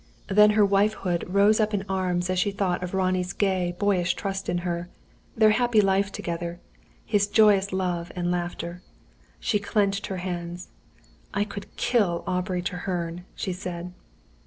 Then her wifehood rose up in arms as she thought of Ronnie's gay, boyish trust in her; their happy life together; his joyous love and laughter. She clenched her hands. "I could kill Aubrey Treherne!" she said.